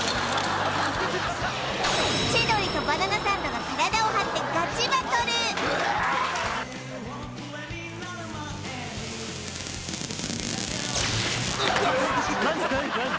千鳥とバナナサンドが体を張ってガチバトルうえっ！